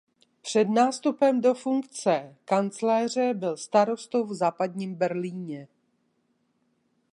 Před nástupem do funkce kancléře byl starostou v Západním Berlíně.